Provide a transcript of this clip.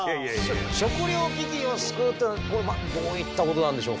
食糧危機を救うってのはこれはどういったことなんでしょうか？